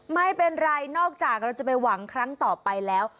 ไม่เป็นไรนอกจากเราจะไปหวังครั้งต่อไปแล้ว